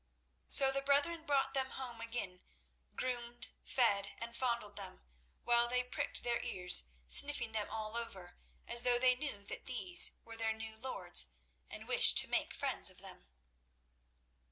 So the brethren brought them home again, groomed, fed and fondled them, while they pricked their ears, sniffing them all over, as though they knew that these were their new lords and wished to make friends of them.